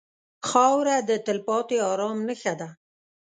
خاوره د تلپاتې ارام نښه ده.